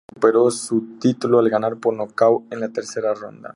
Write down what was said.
Lima recuperó su título al ganar por nocaut en la tercera ronda.